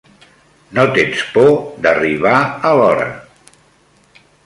No tens por d'arribar a l'hora.